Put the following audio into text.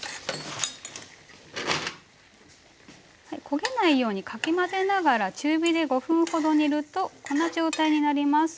焦げないようにかき混ぜながら中火で５分ほど煮るとこんな状態になります。